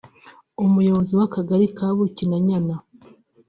umuyobozi w’Akagari ka Bukinanyana